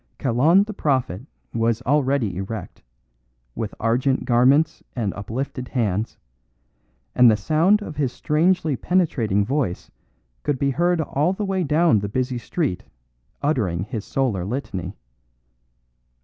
Kalon the Prophet was already erect, with argent garments and uplifted hands, and the sound of his strangely penetrating voice could be heard all the way down the busy street uttering his solar litany.